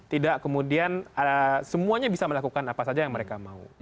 tidak kemudian semuanya bisa melakukan apa saja yang mereka mau